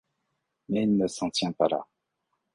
Mais il ne s'en tient pas là.